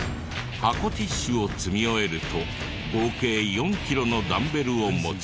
箱ティッシュを積み終えると合計４キロのダンベルを持ち。